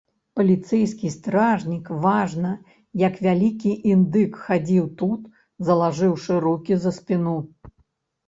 Паліцэйскі стражнік важна, як вялікі індык, хадзіў тут, залажыўшы рукі за спіну.